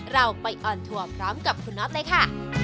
เราไปออนทัวร์พร้อมกับคุณน็อตเลยค่ะ